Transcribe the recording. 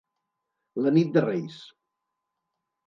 La nit de Reis.